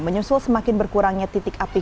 menyusul semakin berkurangnya titik api